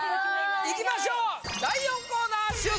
いきましょう！